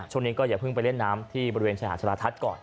ช่วงนี้ก็อย่าเพิ่งไปเล่นน้ำที่บริเวณชายหาดชะลาทัศน์ก่อน